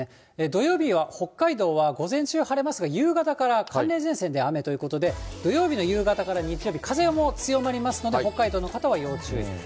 土曜日は、北海道は午前中は晴れますが、夕方から寒冷前線で雨ということで、土曜日の夕方から日曜日、風も強まりますので、北海道の方は要注意です。